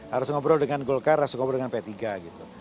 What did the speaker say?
harus ngobrol dengan golkar harus ngobrol dengan p tiga gitu